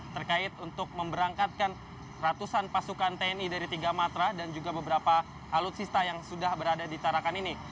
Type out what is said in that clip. terkait untuk memberangkatkan ratusan pasukan tni dari tiga matra dan juga beberapa alutsista yang sudah berada di tarakan ini